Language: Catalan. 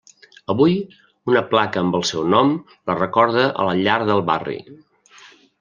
Avui una placa amb el seu nom la recorda a la llar del barri.